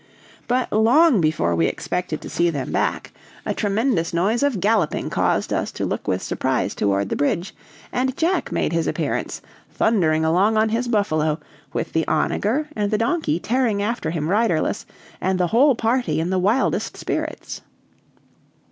But long before we expected to see them back, a tremendous noise of galloping caused us to look with surprise toward the bridge, and Jack made his appearance, thundering along on his buffalo, with the onager and the donkey tearing after him riderless, and the whole party in the wildest spirits.